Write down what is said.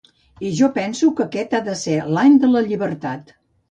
I jo penso que aquest ha de ser l’any de la llibertat.